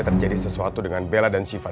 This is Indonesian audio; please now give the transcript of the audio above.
terjadi sesuatu dengan bella dan sifat